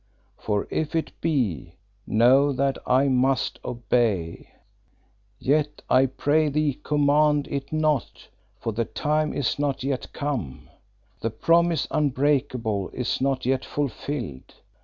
For if it be, know that I must obey. Yet I pray thee command it not, for the time is not yet come; the promise unbreakable is not yet fulfilled.